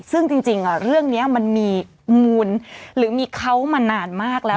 ซึ่งจริงเรื่องนี้มันมีมูลหรือมีเขามานานมากแล้ว